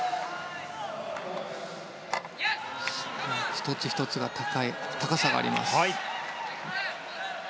１つ１つに高さがあります。